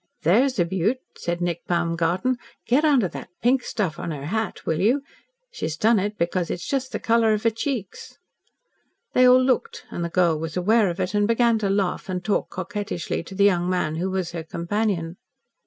"There's a beaut!" said Nick Baumgarten. "Get onto that pink stuff on her hat, will you. She done it because it's just the colour of her cheeks." They all looked, and the girl was aware of it, and began to laugh and talk coquettishly to the young man who was her companion.